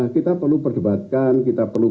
kita perlu perdebatkan kita perlu